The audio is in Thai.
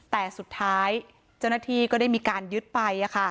แต่สุดท้ายเจ้าหน้าที่ก็ได้มีการยึดไป